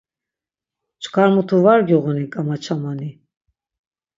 Çkar mutu var giğun-i gamaçamoni?